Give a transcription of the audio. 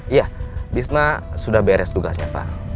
iya bisma sudah beres tugasnya pak